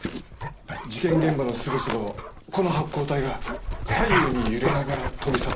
事件現場のすぐそばをこの発光体が左右に揺れながら飛び去ったそうです。